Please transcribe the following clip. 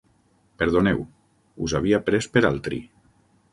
Perdoneu: us havia pres per altri.